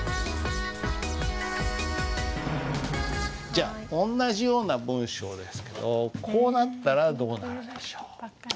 じゃあ同じような文章ですけどこうなったらどうなるでしょう？